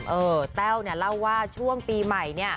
เออแต้วเนี่ยเราก็ขอว่าช่วงปีใหม่